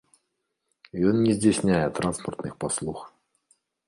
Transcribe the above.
Ён не здзяйсняе транспартных паслуг.